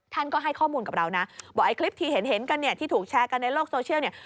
ท่านก็ให้ข้อมูลกับเรานะบอกไอ้คลิปที่เห็นกันเนี่ยที่ถูกแชร์กันในโลกโซเชียลเนี่ย